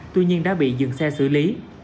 tuy nhiên đã bị dừng xe xử lý